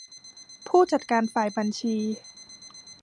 ผู้จัดการฝ่ายบัญชี